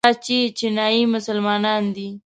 دا چیچنیایي مسلمانان دي.